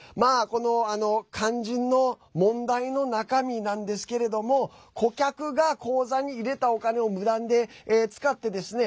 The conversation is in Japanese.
この肝心の問題の中身なんですけれども顧客が口座に入れたお金を無断で使ってですね